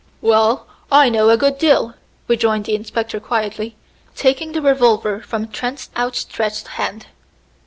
"Well, I know a good deal," rejoined the inspector quietly, taking the revolver from Trent's outstretched hand.